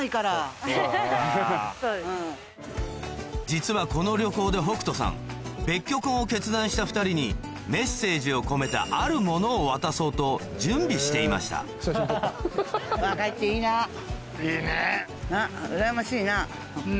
実はこの旅行で北斗さん別居婚を決断した２人にメッセージを込めたあるものを渡そうと準備していましたなっ。